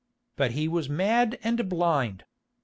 But he was mad and blind.